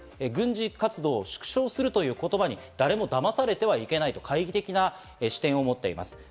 軍事活動を縮小するという言葉に誰もだまされてはいけないと懐疑的な視点を持っています。